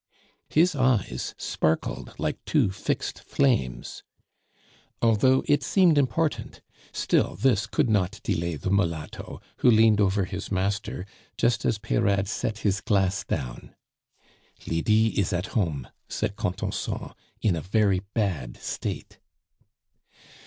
His eyes sparkled like two fixed flames. Although it seemed important, still this could not delay the mulatto, who leaned over his master, just as Peyrade set his glass down. "Lydie is at home," said Contenson, "in a very bad state."